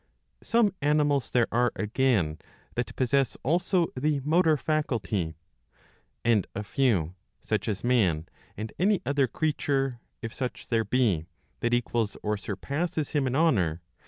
Some animals there are, again, that possess also the Motor faculty ; and a few, such as man and any other creature, if such there be, that equals or surpasses him in ' De Anima, i.